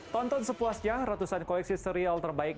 tonton sepuasnya ratusan koleksi serial terbaik